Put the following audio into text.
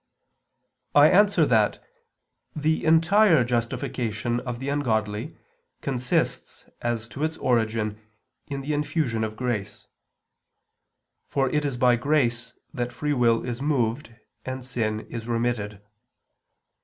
I answer that, The entire justification of the ungodly consists as to its origin in the infusion of grace. For it is by grace that free will is moved and sin is remitted.